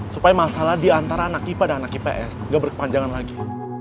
supaya masalah di antara anak ipa dan anak ips gak berkepanjangan lagi